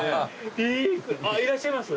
いらっしゃいます？